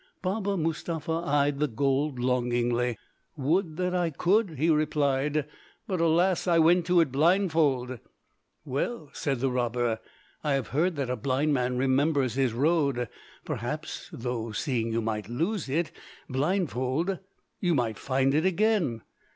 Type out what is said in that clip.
Baba Mustapha eyed the gold longingly. "Would that I could," he replied; "but alas! I went to it blindfold." "Well," said the robber, "I have heard that a blind man remembers his road; perhaps, though seeing you might lose it, blindfold you might find it again."